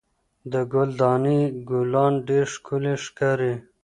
د ګل دانۍ ګلان ډېر ښکلي ښکاري.